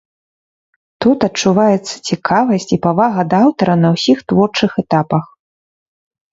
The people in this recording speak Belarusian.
Тут адчуваецца цікавасць і павага да аўтара на ўсіх творчых этапах.